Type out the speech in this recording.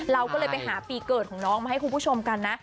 เราก็เลยไปหาปีเกิดของน้องมาให้คุณผู้ชมกันนะ